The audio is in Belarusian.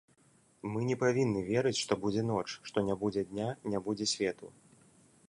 Мы не павінны верыць, што будзе ноч, што не будзе дня, не будзе свету!